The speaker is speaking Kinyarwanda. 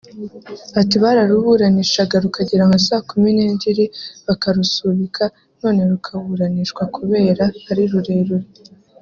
Ati Bararuburanishaga rukagera nka saa kumi n’ebyiri bakarusubika nanone rukaburanishwa kubera ari rurerure